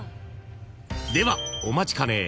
［ではお待ちかね］